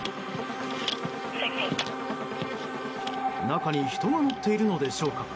中に人が乗っているのでしょうか。